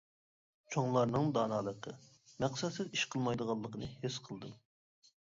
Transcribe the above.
چوڭلارنىڭ دانالىقى، مەقسەتسىز ئىش قىلمايدىغانلىقىنى ھېس قىلدىم.